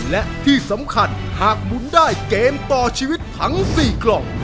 และที่สำคัญหากหมุนได้เกมต่อชีวิตทั้ง๔กล่อง